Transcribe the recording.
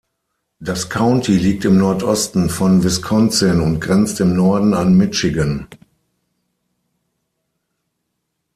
Das County liegt im Nordosten von Wisconsin und grenzt im Norden an Michigan.